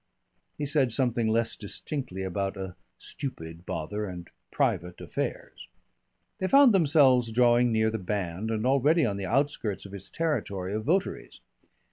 He said something less distinctly about a "stupid bother" and "private affairs." They found themselves drawing near the band and already on the outskirts of its territory of votaries.